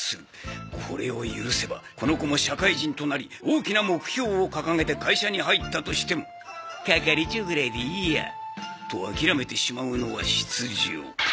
これを許せばこの子も社会人となり大きな目標を掲げて会社に入ったとしても「係長ぐらいでいいや」と諦めてしまうのは必定。